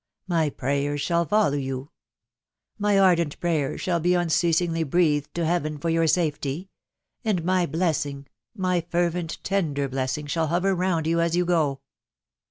• My prayers shalli follow you .... My ardent prayers shall be unceasingly; breathed to Heaven for your safety >••.••^^^ >^8M8bb%. 416 THE WIDOW BARNABY. ... my fervent, tender blessing, shall hover round you as you go